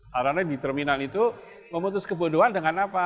karena di terminal itu memutus kebodohan dengan apa